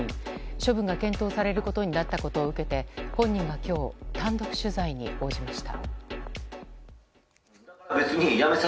処分が検討されることになったことを受けて本人が今日単独取材に応じました。